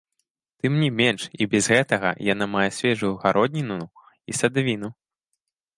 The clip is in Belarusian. Тым не менш і без гэтага яна мае свежую гародніну і садавіну.